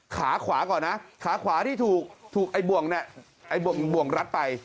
ขาขวาก่อนนะขาขวาที่ถูกบ่วงรัดไป